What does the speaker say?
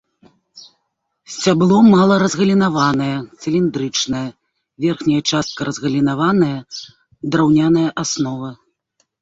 Сцябло мала разгалінаванае, цыліндрычнае, верхняя частка разгалінаваная, драўняная аснова.